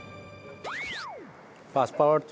パスポート。